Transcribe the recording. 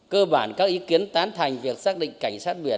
cơ bản các ý kiến tán thành việc xác định cảnh sát biển